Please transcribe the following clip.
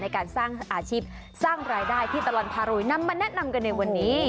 ในการสร้างอาชีพสร้างรายได้ที่ตลอดพารวยนำมาแนะนำกันในวันนี้